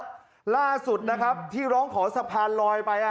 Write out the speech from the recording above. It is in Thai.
ดูล่าสุดนะครับที่ค่อนข้างมีของสะพานลอยไป